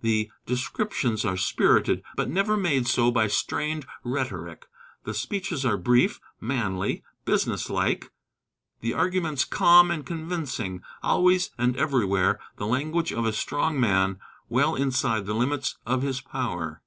The descriptions are spirited, but never made so by strained rhetoric; the speeches are brief, manly, business like; the arguments calm and convincing; always and everywhere the language of a strong man well inside the limits of his power.